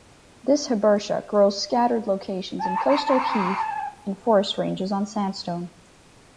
This hibbertia grows scattered locations in coastal heath and forest ranges on sandstone.